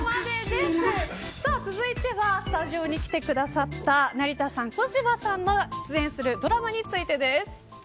続いてはスタジオに来てくださった成田さん小芝さんが出演するドラマについてです。